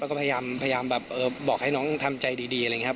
แล้วก็พยายามแบบบอกให้น้องทำใจดีอะไรอย่างนี้ครับ